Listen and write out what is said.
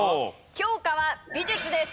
教科は美術です。